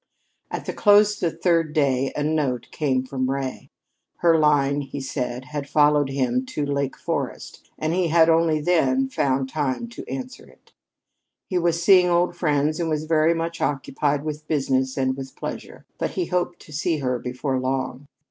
At the close of the third day a note came from Ray. Her line, he said, had followed him to Lake Forest and he had only then found time to answer it. He was seeing old friends and was very much occupied with business and with pleasure, but he hoped to see her before long.